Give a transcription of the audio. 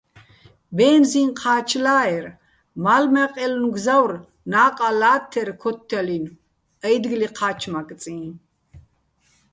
ბენზიჼ ჴა́ჩლა́ერ, მალ-მაყჲე́ჲლნო̆ მგზავრ ნა́ყა ლა́თთერ ქოთთჲალინო̆ ა́ჲდგლი ჴა́ჩმაკწიჼ.